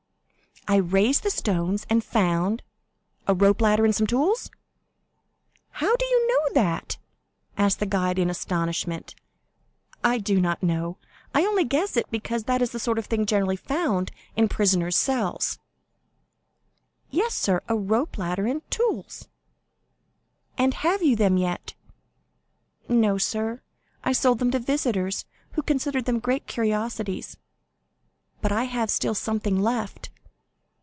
"I raised the stones, and found——" "A rope ladder and some tools?" "How do you know that?" asked the guide in astonishment. "I do not know—I only guess it, because that sort of thing is generally found in prisoners' cells." "Yes, sir, a rope ladder and tools." "And have you them yet?" "No, sir; I sold them to visitors, who considered them great curiosities; but I have still something left."